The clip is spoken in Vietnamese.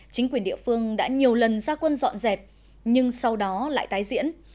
chính quyền địa phương đã nhiều lần ra quân dọn dẹp nhưng sau đó lại tái diễn